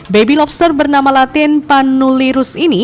baby lobster bernama latin panulirus ini